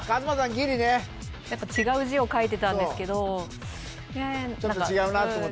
ギリね違う字を書いてたんですけどちょっと違うなと思った？